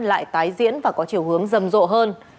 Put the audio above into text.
lại tái diễn và có chiều hướng rầm rộ hơn